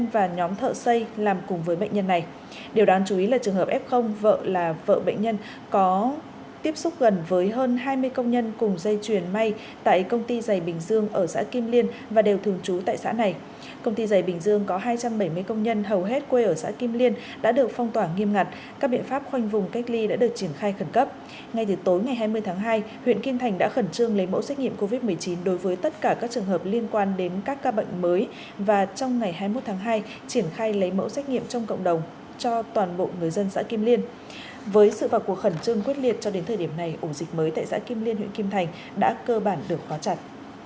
với sự và cuộc khẩn trương quyết liệt cho đến thời điểm này ủng dịch mới tại giã kim liên huyện kim thành đã cơ bản được gói chặt